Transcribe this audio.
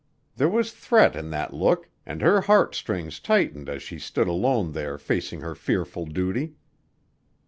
There was threat in that look and her heart strings tightened as she stood alone there facing her fearful duty.